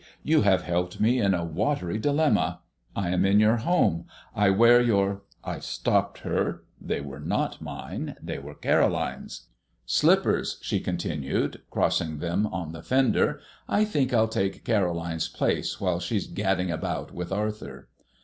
"You have helped me in a watery dilemma. I am in your home. I wear your " I stopped her. They were not mine. They were Caroline's. "Slippers," she continued, crossing them on the fender. "I think I'll take Caroline's place while she's gadding about with Arthur."